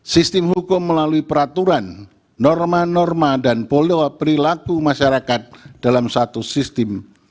sistem hukum melalui peraturan norma norma dan polewa perilaku masyarakat dalam satu sistem